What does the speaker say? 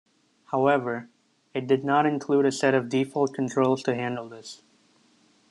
However, it did not include a set of default controls to handle this.